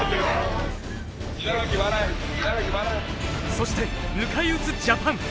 そして迎え撃つジャパン。